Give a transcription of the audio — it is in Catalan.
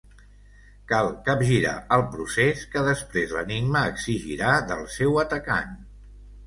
Cal capgirar el procés que després l'enigma exigirà del seu atacant.